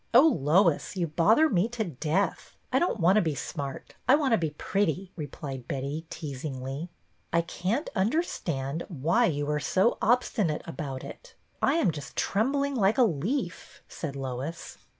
" Oh, Lois, you bother me to death. I don't want to be smart, I want to be pretty," replied Betty, teasingly. " I can't understand why you are so obsti nate about it. I am just trembling like a leaf," said Lois.